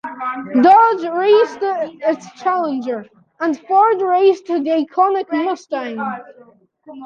Dodge raced its Challenger, and Ford raced the iconic Mustang.